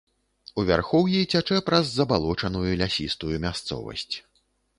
У вярхоўі цячэ праз забалочаную лясістую мясцовасць.